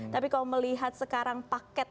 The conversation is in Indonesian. tapi kalau melihat sekarang paket